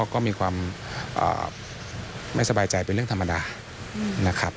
ก็มีความไม่สบายใจเป็นเรื่องธรรมดานะครับ